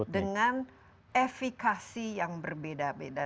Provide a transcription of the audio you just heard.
dengan efikasi yang berbeda beda